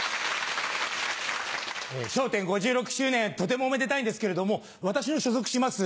『笑点』５６周年とてもおめでたいんですけれども私の所属します